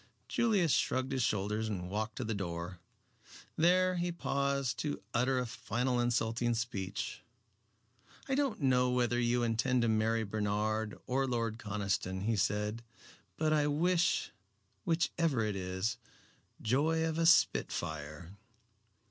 Julius shrugged his shoulders and walked to the door. There he paused to utter a final insulting speech. "I don't know whether you intend to marry Bernard or Lord Conniston," he said, "but I wish, which ever it is, joy of a spitfire."